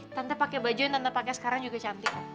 tante pake baju yang tante pake sekarang juga cantik